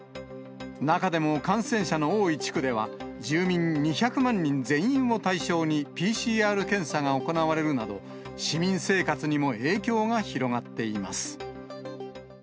中でも感染者の多い地区では、住民２００万人全員を対象に、ＰＣＲ検査が行われるなど、市民生活にも影響が広がっています。